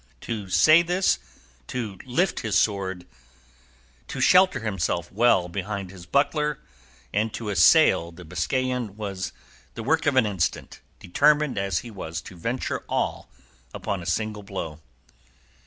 To say this, to lift his sword, to shelter himself well behind his buckler, and to assail the Biscayan was the work of an instant, determined as he was to venture all upon a single blow.